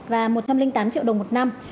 và một trăm linh tám triệu đồng một năm